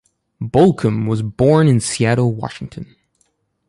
Bolcom was born in Seattle, Washington.